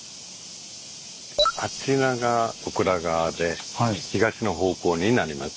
あちらが小倉側で東の方向になります。